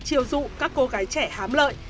chiều dụ các cô gái trẻ hám lợi